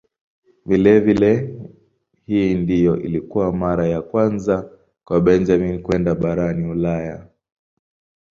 Vilevile hii ndiyo ilikuwa mara ya kwanza kwa Benjamin kwenda barani Ulaya.